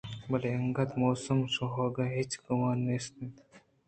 بلے انگت موسم ءِ شربُوہگ ئے ہچ گُمان نیست اَت